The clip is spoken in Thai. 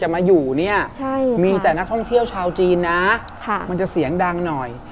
มันจะเสียงดังหน่อย